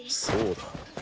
そうだ。